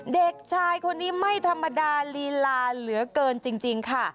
เด็กชายคนนี้ไม่ธรรมดาลีลาเหลือเกินจริงค่ะ